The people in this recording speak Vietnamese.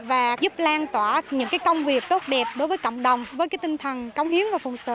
và giúp lan tỏa những công việc tốt đẹp đối với cộng đồng với tinh thần cống hiến và phụ sự